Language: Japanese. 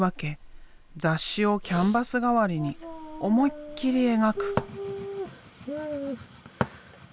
雑誌をキャンバス代わりに思いっきり描く！